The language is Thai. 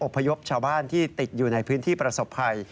พยพชาวบ้านที่ติดอยู่ในพื้นที่ประสบภัย